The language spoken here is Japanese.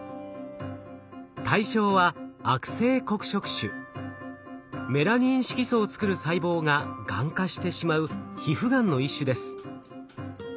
対象はメラニン色素を作る細胞ががん化してしまう皮膚がんの一種です。